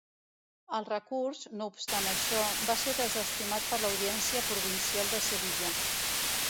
El recurs, no obstant això, va ser desestimat per l'Audiència Provincial de Sevilla.